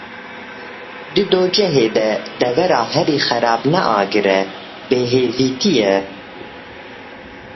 Di dojehê de devera herî xerab ne agir e, bêhêvîtî ye.